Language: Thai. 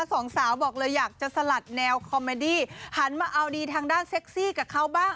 สองสาวบอกเลยอยากจะสลัดแนวคอมเมดี้หันมาเอาดีทางด้านเซ็กซี่กับเขาบ้าง